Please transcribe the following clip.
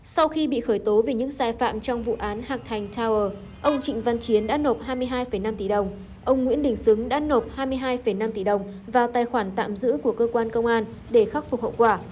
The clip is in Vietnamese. sau khi bị khởi tố vì những sai phạm trong vụ án hạc thành tower ông trịnh văn chiến đã nộp hai mươi hai năm tỷ đồng ông nguyễn đình xứng đã nộp hai mươi hai năm tỷ đồng vào tài khoản tạm giữ của cơ quan công an để khắc phục hậu quả